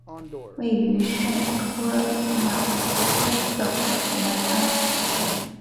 位于圣托马斯岛南岸。